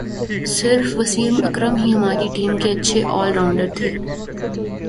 صرف وسیم اکرم ہی ہماری ٹیم کے اچھے آل راؤنڈر تھے